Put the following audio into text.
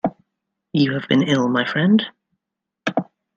You have been ill, my friend?